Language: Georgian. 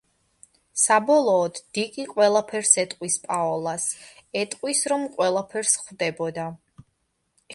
საბოლოოდ, დიკი ყველაფერს ეტყვის პაოლას, ეტყვის, რომ ყველაფერს ხვდებოდა.